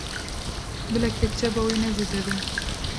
Bila ketçapa wê ne zêde be.